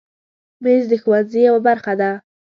مېز د ښوونځي یوه برخه ده.